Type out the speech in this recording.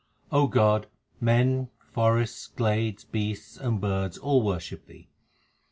God, men, forests, glades, beasts, and birds all worship Thee.